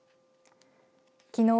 きのう